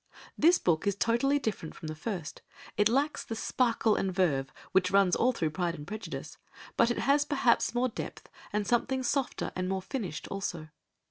This book is totally different from the first, it lacks the sparkle and verve which runs all through Pride and Prejudice, but it has perhaps more depth and is something softer and more finished also.